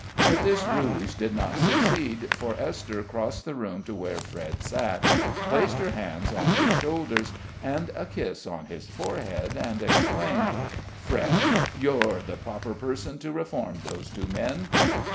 But this ruse did not succeed, for Esther crossed the room to where Fred sat, placed her hands on his shoulders, and a kiss on his forehead, and exclaimed: "Fred, you're the proper person to reform those two men!"